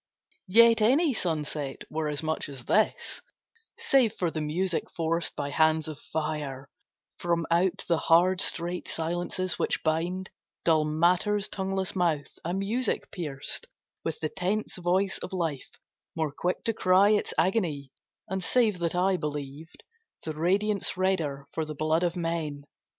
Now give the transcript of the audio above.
Yet any sunset were as much as this, Save for the music forced by hands of fire From out the hard strait silences which bind Dull Matter's tongueless mouth a music pierced With the tense voice of Life, more quick to cry Its agony and save that I believed The radiance redder for the blood of men.